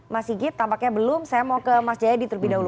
mas sigit tampaknya belum saya mau ke mas jayadi terlebih dahulu